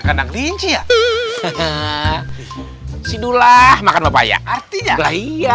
kandang linci ya sidulah makan papaya artinya bahaya